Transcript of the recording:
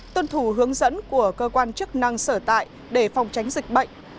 tuân thủ hướng dẫn của cơ quan chức năng sở tại để phòng tránh dịch bệnh